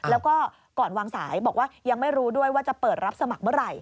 แล้วก็ก่อนวางสายบอกว่ายังไม่รู้ด้วยว่าจะเปิดรับสมัครเมื่อไหร่